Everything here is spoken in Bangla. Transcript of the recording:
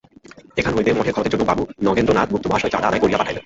এখান হইতে মঠের খরচের জন্য বাবু নগেন্দ্রনাথ গুপ্ত মহাশয় চাঁদা আদায় করিয়া পাঠাইবেন।